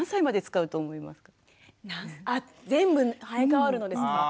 あ全部生え変わるのですか？